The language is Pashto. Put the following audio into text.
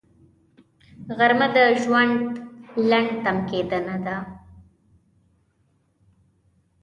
غرمه د ژوند لنډ تم کېدنه ده